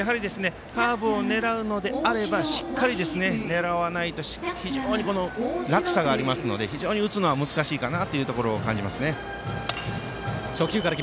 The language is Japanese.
カーブを狙うのであればしっかり狙わないと非常に落差がありますので非常に打つのは難しいかなというところを感じますね。